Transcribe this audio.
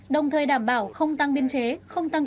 đồng thời đảm bảo không tăng biên chế không tăng